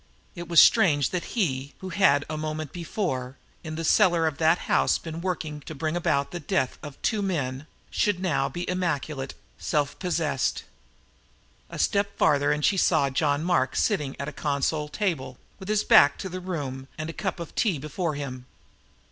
It was strange that he, who had, a moment before, in the very cellar of that house, been working to bring about the death of two men, should now be immaculate, self possessed. A step farther and she saw John Mark sitting at a console table, with his back to the room and a cup of tea before him.